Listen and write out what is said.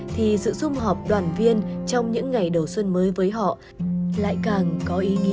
thì sự xung họp đoàn viên trong những ngày đầu xuân mới với họ lại càng có ý nghĩa